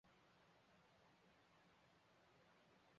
哈洛德的品牌名也用于哈洛德集团旗下的哈洛德银行。